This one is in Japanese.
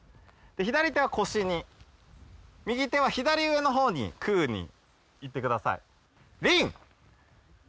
左手は腰に右手は左上のほうに空にいってください。